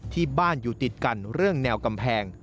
ที่บ้านอยู่ติดกันเรื่องแนวกำแพง